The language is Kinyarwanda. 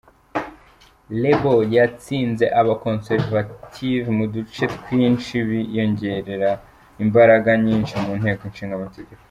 Labour yatsinze aba Conservative mu duce twinshi biyongerera imbaraga nyinshi mu nteko ishinga amategeko.